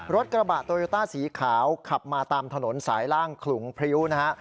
รถกระบะโตโยต้าสีขาวขับมาตามถนนสายล่างขลุงพริ้วนะฮะ